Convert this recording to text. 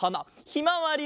ひまわり！